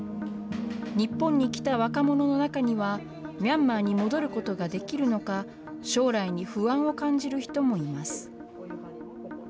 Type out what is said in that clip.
日本に来た若者の中には、ミャンマーに戻ることができるのか、将来に不安を感じる人もいます。